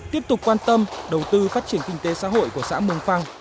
tiếp tục quan tâm đầu tư phát triển kinh tế xã hội của xã mường phăng